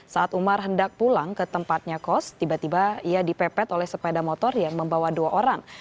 saat umar hendak pulang ke tempatnya kos tiba tiba ia dipepet oleh sepeda motor yang membawa dua orang